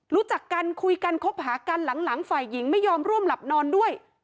รู้จักกันคุยกันคบหากันหลังฝ่ายหญิงไม่ยอมร่วมหลับนอนด้วย